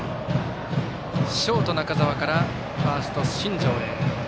ショート、中澤からファースト、新城へ。